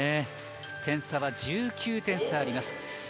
点差は１９点差あります。